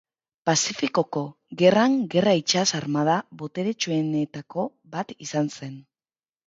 Pazifikoko Gerran gerra itsas armada boteretsuenetako bat izan zen.